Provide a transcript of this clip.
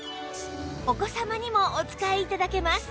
お子様にもお使い頂けます